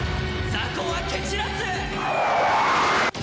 雑魚は蹴散らす！